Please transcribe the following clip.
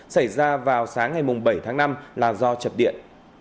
xảy ra vào sáng ngày bảy tháng năm là do chập điện